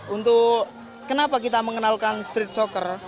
untuk kenapa kita mengenalkan street soccer